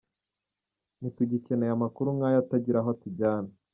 Ntitugikeneye amakuru nk’aya atagira aho atujyana!